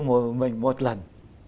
một mình một lần